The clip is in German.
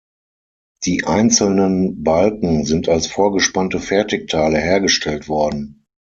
Die einzelnen Balken sind als vorgespannte Fertigteile hergestellt worden.